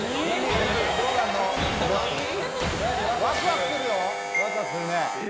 ワクワクするよ。